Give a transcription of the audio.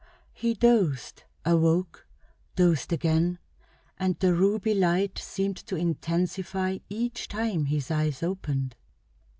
He dozed, awoke, dozed again, and the ruby light seemed to intensify each time his eyes opened.